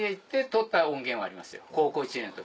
高校１年の時。